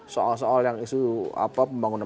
soal soal yang isu pembangunan